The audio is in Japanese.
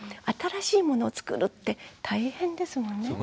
新しいものをつくるって大変ですもんね。